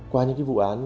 qua những vụ án